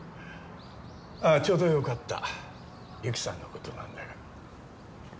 あぁちょうどよかった由紀さんのことなんだが。